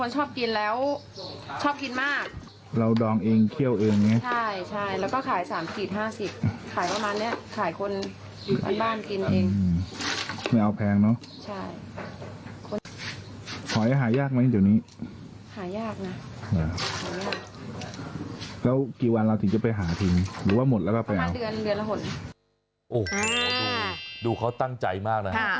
ชอบกินเป็นคนชอบกินแล้วชอบกินมาก